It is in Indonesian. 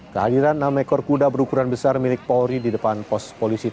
kehadiran enam ekor kuda berukuran besar milik polri di depan pos polisi